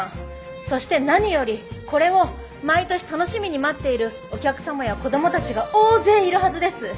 そして何よりこれを毎年楽しみに待っているお客様や子どもたちが大勢いるはずです。